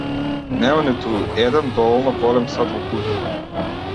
Нема ниту еден доволно голем сад во куќата.